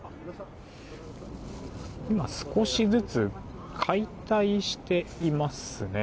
今、少しずつ解体していますね。